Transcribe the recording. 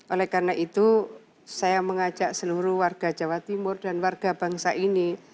oleh karena itu saya mengajak seluruh warga jawa timur dan warga bangsa ini